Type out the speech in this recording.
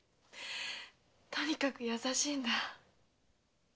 とにかく優しいんだ。